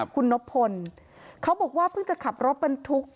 คุณนบพลเขาบอกว่าเพิ่งจะขับรถบรรทุก